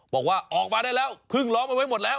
บอกว่าออกมาได้แล้วเพิ่งล้อมเอาไว้หมดแล้ว